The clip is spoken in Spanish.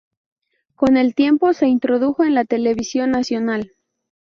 Con el tiempo se introdujo en la televisión nacional.